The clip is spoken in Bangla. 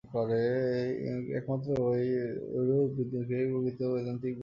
একমাত্র ঐরূপ ব্যক্তিকেই প্রকৃত বৈদান্তিক বলা যাইতে পারে।